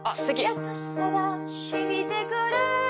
優しさが浸みて来る」